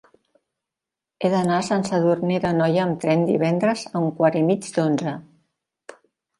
He d'anar a Sant Sadurní d'Anoia amb tren divendres a un quart i mig d'onze.